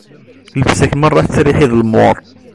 Llebsa-k merra tettriḥi d lmuṛ.